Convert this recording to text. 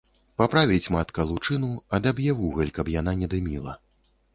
Паправіць матка лучыніну, адаб'е вугаль, каб яна не дыміла.